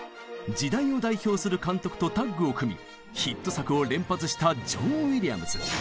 時代を代表する監督とタッグを組みヒット作を連発したジョン・ウィリアムズ。